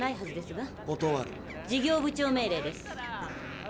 事業部長命令です。